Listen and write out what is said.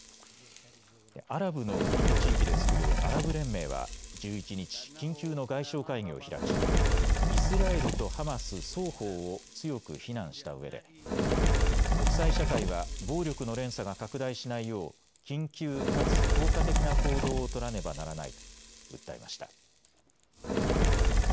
アラブの国と地域で作るアラブ連盟は１１日、緊急の外相会議を開きイスラエルとハマス双方を強く非難したうえで国際社会は暴力の連鎖が拡大しないよう緊急かつ効果的な行動を取らねばならないと訴えました。